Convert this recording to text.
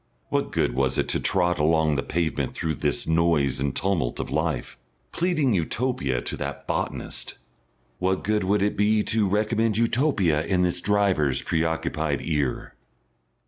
What good was it to trot along the pavement through this noise and tumult of life, pleading Utopia to that botanist? What good would it be to recommend Utopia in this driver's preoccupied ear?